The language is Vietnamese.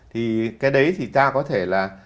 thì cái đấy thì ta có thể là